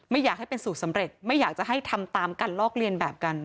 ไม่อยากให้เป็นสูตรสำเร็จไม่อยากจะให้ทำตามการลอกเลียนแบบกัน